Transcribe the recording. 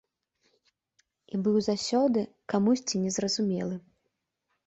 І быў заўсёды камусьці незразумелы.